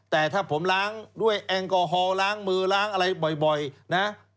แต่ถ้าผมล้างด้วยแอลกอฮอลล้างมือล้างอะไรบ่อยนะ